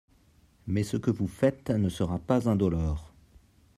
Mais ce que vous faites ne sera pas indolore.